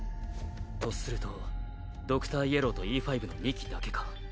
とするとドクターイエローとＥ５の２機だけか。